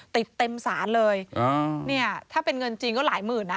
ติดเต็มสารเลยอ่าเนี่ยถ้าเป็นเงินจริงก็หลายหมื่นนะ